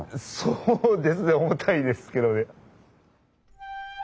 そうですね重たいですけどね。